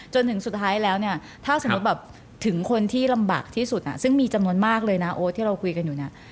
จนถึงสุดท้ายแล้วเนี่ยถ้าสมมุติแบบถึงคนที่ลำบากที่สุดซึ่งมีจำนวนมากเลยนะโอ๊ตที่เราคุยกันอยู่เนี่ย